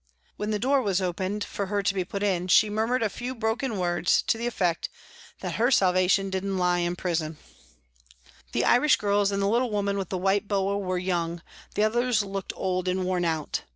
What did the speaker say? When the door was opened for her to be put in, she murmured a few broken JANE WARTON 253 words to the effect that her salvation didn't lie in prison. The Irish girls and the little woman with the white boa were young, the others looked old and worn out.